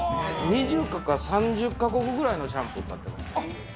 ２０とか、３０か国ぐらいのシャンプー買ってます。